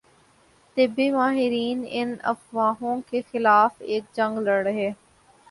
طبی ماہرین ان افواہوں کے خلاف ایک جنگ لڑ رہے